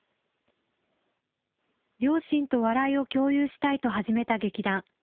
両親と笑いを共有したいと始めた劇団。